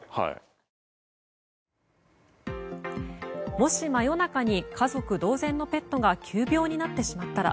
もし真夜中に家族同然のペットが急病になってしまったら。